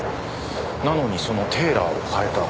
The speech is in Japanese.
なのにそのテーラーを変えた。